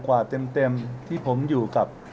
กว่าเต็มที่ผมอยู่กับ